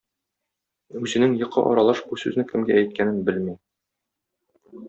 Үзенең йокы аралаш бу сүзне кемгә әйткәнен белми.